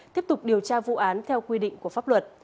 tiếp tục điều tra vụ án theo quy định của pháp luật